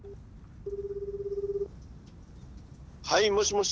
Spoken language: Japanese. はいもしもし！